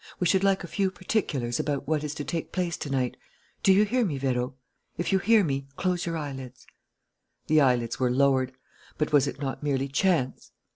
We should like a few particulars about what is to take place to night. Do you hear me, Vérot? If you hear me, close your eyelids." The eyelids were lowered. But was it not merely chance?